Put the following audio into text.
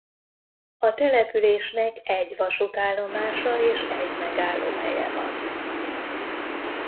A településnek egy vasútállomása és egy megállóhelye van.